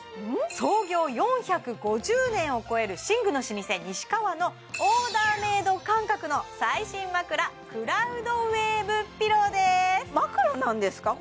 創業４５０年を超える寝具の老舗西川のオーダーメイド感覚の最新枕クラウドウェーブピローです枕なんですか？